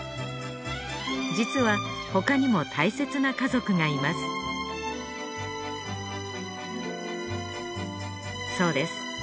実は他にも大切な家族がいますそうです